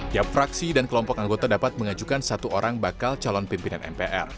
tiap fraksi dan kelompok anggota dapat mengajukan satu orang bakal calon pimpinan mpr